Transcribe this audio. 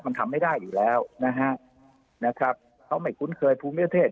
มันทำไม่ได้อยู่แล้วนะฮะเขาไม่คุ้นเคยภูมิประเทศ